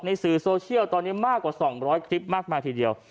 สื่อโซเชียลตอนนี้มากกว่า๒๐๐คลิปมากมายทีเดียว